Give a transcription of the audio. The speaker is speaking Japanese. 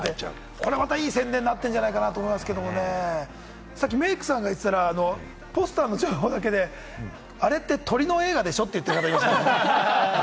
これがまた、いい宣伝になってるんじゃないかと思いますけれどもね、さっきメークさんが言ってたんだけど、ポスターの情報だけで、あれって鳥の映画でしょ？って。